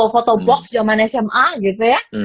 foto box jaman sma gitu ya